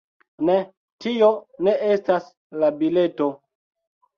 Ne, tio ne estas la bileto